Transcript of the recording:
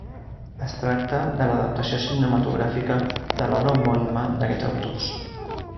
Es tracta de l'adaptació cinematogràfica de l'obra homònima d'aquests autors.